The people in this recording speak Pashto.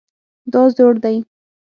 دا زوړ دی